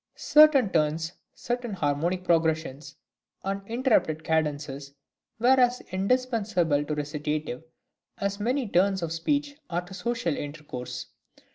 Certain turns, certain harmonic progressions and interrupted cadences, were as indispensable to recitative as many turns of speech are to social intercourse.